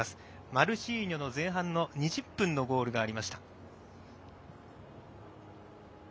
マルシーニョの前半の２０分のゴールがありました。